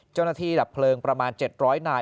เจ้าหน้าที่หลับเพลิงประมาณ๗๐๐นาย